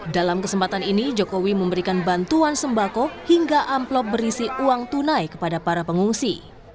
dalam kesempatan ini jokowi memberikan bantuan sembako hingga amplop berisi uang tunai kepada para pengungsi